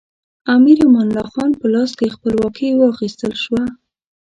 امیر امان الله خان په لاس خپلواکي واخیستل شوه.